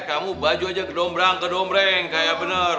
kamu baju aja gedombrang gedombrang kayak benar